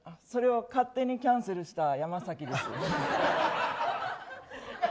それを勝手にキャンセルした山崎です。